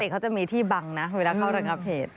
เขาจะมีที่บังนะเวลาเข้าระงับเหตุ